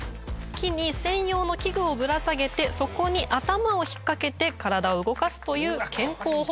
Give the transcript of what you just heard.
木に専用の器具をぶら下げてそこに頭を引っかけて体を動かすという健康法なんだそうです。